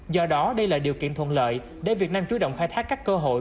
do đó đây là điều kiện thuận lợi để việt nam chú động khai thác các cơ hội